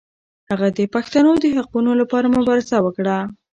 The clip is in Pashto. هغه د پښتنو د حقونو لپاره مبارزه وکړه.